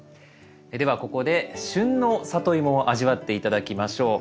ではここで旬のサトイモを味わって頂きましょう。